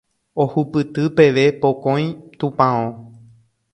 ohupyty peve pokõi tupão